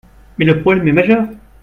mais le problème est majeur